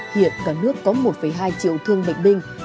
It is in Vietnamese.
hiện cả nước có một hai triệu thương bệnh binh